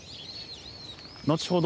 後ほど